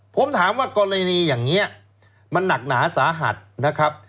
ผมถามว่ากรณีอย่างนี้มันหนักหนาสาหัสนะครับ